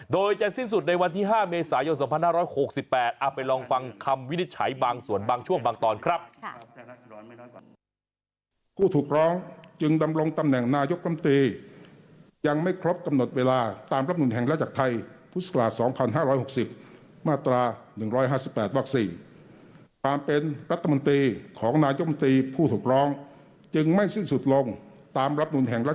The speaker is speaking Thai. โดยจะสิ้นสุดในวันที่๕เมษายน๒๕๖๘ไปลองฟังคำวินิจฉัยบางส่วนบางช่วงบางตอนครับ